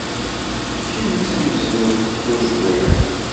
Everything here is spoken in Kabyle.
Kemm d tamezrawt tuẓwirt.